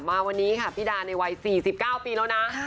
มาวันนี้ค่ะพี่ดาในวัย๔๙ปีแล้วนะ